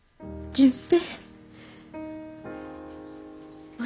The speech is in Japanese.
純平。